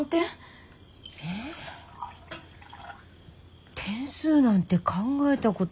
えぇ点数なんて考えたこと。